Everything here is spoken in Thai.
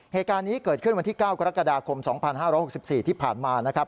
เหตุการณ์นี้เกิดขึ้นวันที่เก้ากรกฎาคมสองพันห้าร้อยหกสิบสี่ที่ผ่านมานะครับ